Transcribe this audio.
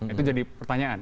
itu jadi pertanyaan